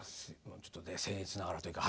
ちょっとね僭越ながらというか。